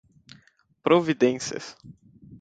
providências